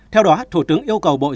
theo đó thủ tướng yêu cầu bộ giáo dịch